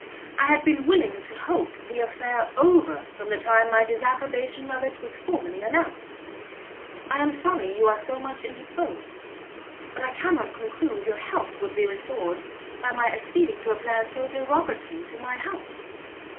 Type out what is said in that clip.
I had been willing to hope the affair over from the time my disapprobation of it was formally announced. I am sorry you are so much indisposed, but I cannot conclude your health would be restored by my acceding to a plan so derogatory to my house.